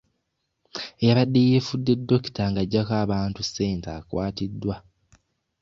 Eyabadde yeefudde dokita ng'aggyako abantu ssente akwatiddwa.